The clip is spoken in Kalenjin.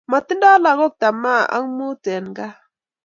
Matindo lakok tama ak mut en kaa